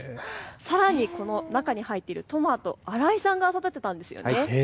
さらにこの中に入っているトマト、新井さんが育てたんですよね。